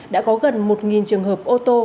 đã có gần một trường hợp ô tô